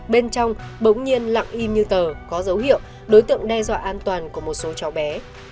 bên trong bỗng nhiên lặng im như tờ có dấu hiệu đối tượng đe dọa an toàn của một số cháu bé